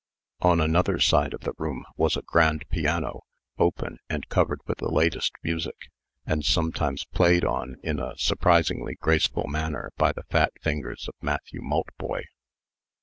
On another side of the room was a grand piano, open, and covered with the latest music, and sometimes played on in a surprisingly graceful manner by the fat fingers of Matthew Maltboy.